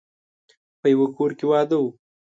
په يوه کور کې واده و.